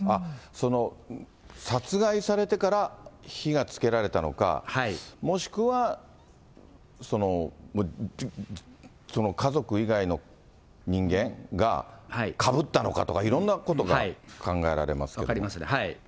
その殺害されてから火がつけられたのか、もしくは、家族以外の人間がかぶったのかとか、いろんなことが考えられますけれども。